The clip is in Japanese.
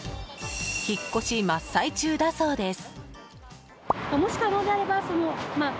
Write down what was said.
引っ越し真っ最中だそうです。